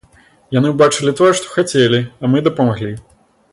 Яны ўбачылі тое, што хацелі, а мы дапамаглі!